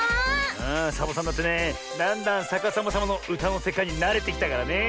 ああサボさんだってねだんだんさかさまさまのうたのせかいになれてきたからね。